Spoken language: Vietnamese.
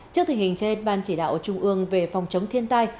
trước tình hình trên ban chỉ đạo trung ương về phòng chống thiên tai